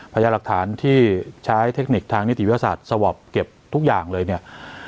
พยายามหลักฐานที่ใช้เทคนิคทางนิติวิทยาศาสตร์สวอปเก็บทุกอย่างเลยเนี่ย